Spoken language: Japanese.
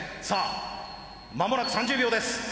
さあまもなく３０秒です。